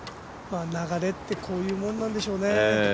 流れってこういうもんなんでしょうね。